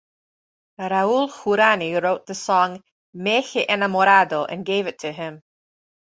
Raul Jurany Wrote the song "Me He enamorado" And gave it to him.